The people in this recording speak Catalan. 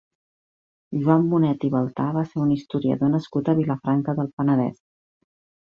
Joan Bonet i Baltà va ser un historiador nascut a Vilafranca del Penedès.